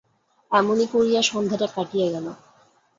এমনি করিয়া সন্ধ্যাটা কাটিয়া গেল।